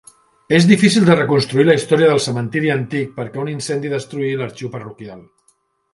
És difícil de reconstruir la història del cementiri antic perquè un incendi destruí l'arxiu parroquial.